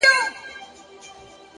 هره ستونزه د بدلون اړتیا ښيي!.